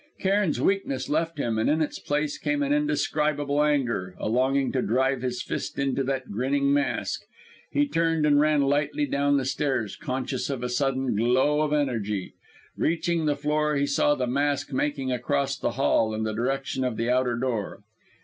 Cairn's weakness left him, and in its place came an indescribable anger, a longing to drive his fist into that grinning mask. He turned and ran lightly down the stairs, conscious of a sudden glow of energy. Reaching the floor, he saw the mask making across the hall, in the direction of the outer door.